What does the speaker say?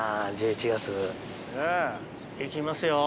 行きますよ。